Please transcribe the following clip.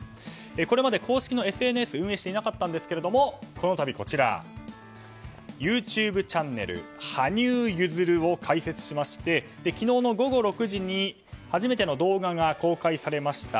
今まで公式のＳＮＳは運営してなかったんですがこのたびＹｏｕＴｕｂｅチャンネル「ＨＡＮＹＵＹＵＺＵＲＵ」を開設しまして昨日午後６時に初めての動画が公開されました。